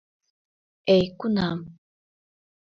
Эй, кунам